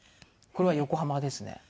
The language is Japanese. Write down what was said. これは横浜ですね。